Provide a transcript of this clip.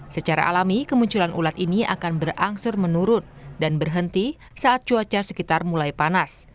secara alami kemunculan ulat ini akan berangsur menurun dan berhenti saat cuaca sekitar mulai panas